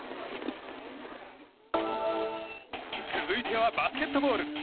続いてはバスケットボール、ＮＢＡ。